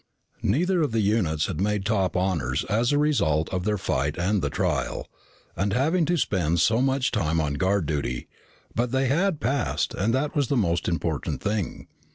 Neither of the units had made top honors as a result of their fight and the trial, and having to spend so much time on guard duty, but they had passed and that was the most important thing.